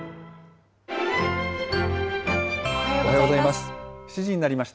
おはようございます。